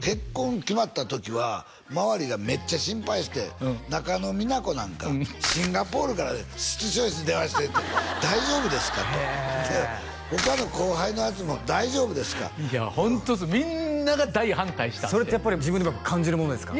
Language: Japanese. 結婚決まった時は周りがめっちゃ心配して中野美奈子なんかシンガポールから室長に電話して大丈夫ですかとへえ他の後輩のやつも「大丈夫ですか」いやホントっすみんなが大反対したそれってやっぱり自分でも感じるものですか？